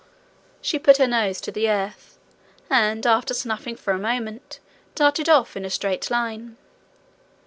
She put her nose to the earth, and after snuffing for a moment, darted off in a straight line.